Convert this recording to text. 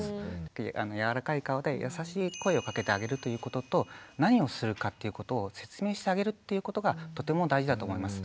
柔らかい顔で優しい声をかけてあげるということと何をするかっていうことを説明してあげるということがとても大事だと思います。